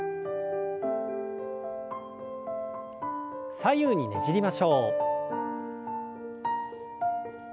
左右にねじりましょう。